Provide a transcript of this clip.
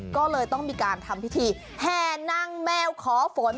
ก็เลยต้องมีการทำพิธีแห่นางแมวขอฝน